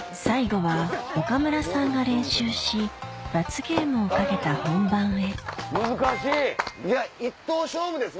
最後は岡村さんが練習し罰ゲームをかけた本番へ１投勝負？